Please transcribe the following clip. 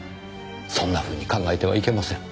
そんなふうに考えてはいけません。